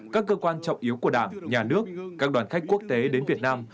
các cơ quan trọng yếu của đảng nhà nước các đoàn khách quốc tế đến việt nam